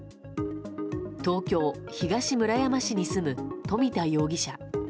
東京・東村山市に住む冨田容疑者。